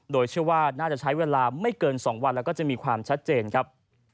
โดยเชื่อว่าน่าจะใช้เวลาไม่เกิน๒วันแล้วก็จะมีความชัดเจนครับ